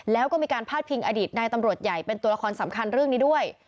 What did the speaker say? แล้วก็มีการพาดพิงอดีตนายตำรวจใหญ่เป็นตัวละครสำคัญเรื่องนี้ด้วย